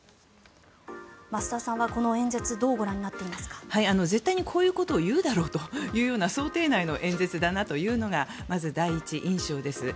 増田さんはこの演説どうご覧になっていますか。絶対にこういうことを言うだろうという想定内の演説だなというのがまず、第一印象です。